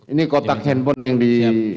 ini kotak handphone yang di